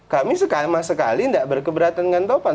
kami sama sekali nggak berkeberatan dengan topan